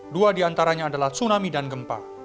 dua di antaranya adalah tsunami dan gempa